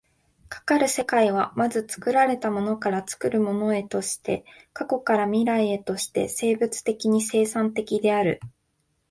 かかる世界は、まず作られたものから作るものへとして、過去から未来へとして生物的に生産的である。